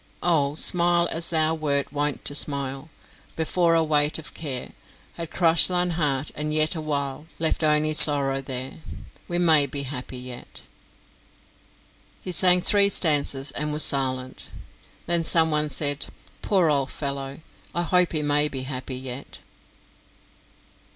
"Oh, smile as thou wert wont to smile, Before a weight of care Had crushed thine heart, and yet awhile Left only sorrow there; We may be happy yet." He sang three stanzas, and was silent. Then someone said: "Poor old fellow; I hope he may be happy yet."